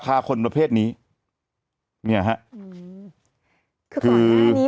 แต่หนูจะเอากับน้องเขามาแต่ว่า